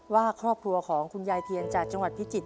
ว่าครอบครัวของคุณยายเทียนจากจังหวัดพิจิตร